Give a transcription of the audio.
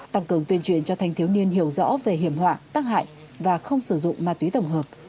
tăng cường tuyên truyền cho thanh thiếu niên hiểu rõ về hiểm họa tác hại và không sử dụng ma túy tổng hợp